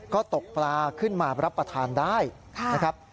ก็ตกปลาขึ้นมารับประทานได้นะครับ